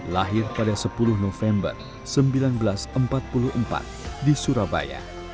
lahir pada sepuluh november seribu sembilan ratus empat puluh empat di surabaya